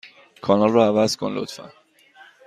کانال را عوض کن، لطفا.